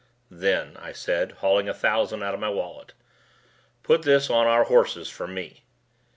"Then," I said hauling a thousand out of my wallet, "Put this on our horses for me."